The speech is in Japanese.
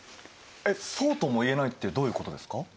えっそうとも言えないってどういうことですか？